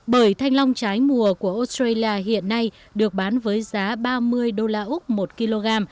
bởi thanh long trái mùa của australia hiện nay được bán với giá ba mươi đô la úc một kg